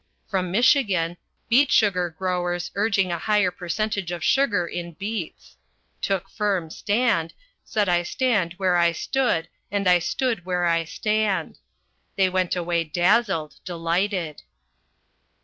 From Michigan, beet sugar growers urging a higher percentage of sugar in beets. Took firm stand: said I stand where I stood and I stood where I stand. They went away dazzled, delighted.